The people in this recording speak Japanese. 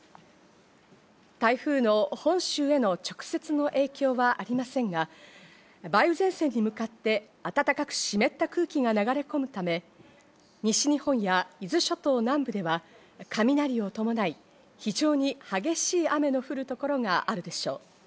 台風の本州への直接の影響はありませんが、梅雨前線に向かって暖かく湿った空気が流れ込むため、西日本や伊豆諸島南部では雷を伴い、非常に激しい雨の降る所があるでしょう。